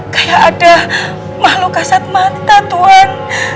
kayak ada makhluk kasat mata tuhan